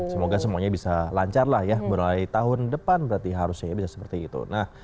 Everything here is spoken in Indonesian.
semoga semuanya bisa lancar lah ya mulai tahun depan berarti harusnya bisa seperti itu